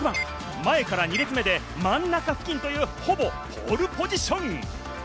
前から２列目で真ん中付近という、ほぼポールポジション。